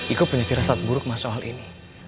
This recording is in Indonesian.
iko punya firasat buruk mas soal ini